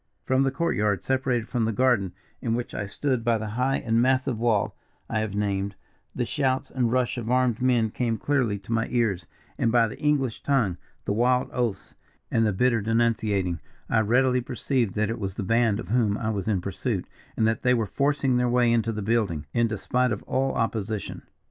"From the court yard, separated from the garden in which I stood by the high and massive wall I have named, the shouts and rush of armed men came clearly to my ears; and, by the English tongue, the wild oaths, and the bitter denunciating, I readily perceived that it was the band of whom I was in pursuit, and that they were forcing their way into the building, in despite of all opposition.